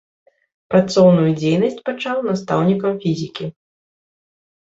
Працоўную дзейнасць пачаў настаўнікам фізікі.